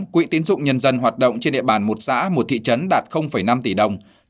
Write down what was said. một mươi quỹ tiến dụng nhân dân hoạt động trên địa bàn một xã một thị trấn đạt năm tỷ đồng